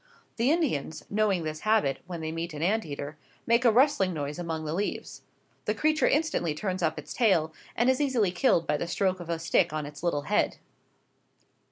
The Indians, knowing this habit, when they meet an ant eater, make a rustling noise among the leaves. The creature instantly turns up its tail, and is easily killed by the stroke of a stick on its little head.